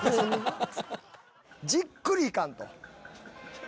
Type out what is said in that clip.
じっくり行かんと。